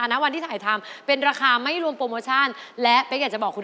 อันนี้น่าจะเป็นกีฬาไฮโซนะน่าจะเป็นกีฬาแบบแพงสุด